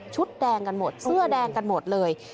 แดงกันหมดเสื้อแดงกันหมดเลย